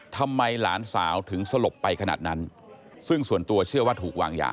หลานสาวถึงสลบไปขนาดนั้นซึ่งส่วนตัวเชื่อว่าถูกวางยา